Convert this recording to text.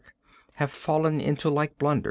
have fallen into like blunders.